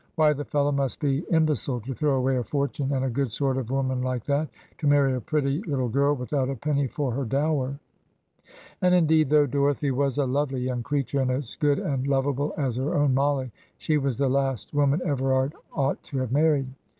Why, the fellow must be imbecile to throw away a fortune and a good sort of woman like that, to marry a pretty little girl, without a penny for her dower! And, indeed, though Dorothy was a lovely young creature, and as good and lovable as her own Mollie, she was the last woman Everard ought to have married.